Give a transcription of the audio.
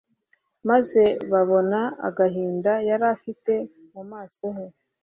maze babona agahinda yari afite mu maso he,